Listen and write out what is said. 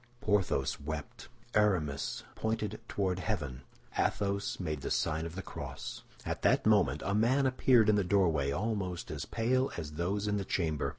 Porthos wept; Aramis pointed toward heaven; Athos made the sign of the cross. At that moment a man appeared in the doorway, almost as pale as those in the chamber.